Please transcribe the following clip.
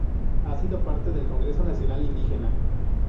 Ha sido parte del Congreso Nacional Indígena.